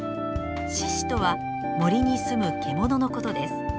「しし」とは森にすむ獣のことです。